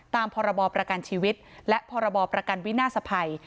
พรบประกันชีวิตและพรบประกันวินาศภัย